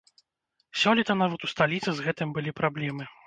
Сёлета нават у сталіцы з гэтым былі праблемы.